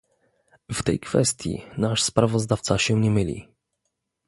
W tej kwestii nasz sprawozdawca się nie myli